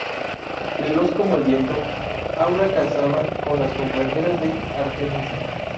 Veloz como el viento, Aura cazaba con las compañeras de Artemisa.